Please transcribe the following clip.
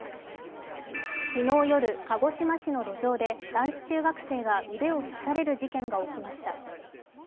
昨日夜、鹿児島市の路上で男子中学生が腕を刺される事件がありました。